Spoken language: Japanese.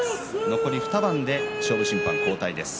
残り２番で勝負審判交代です。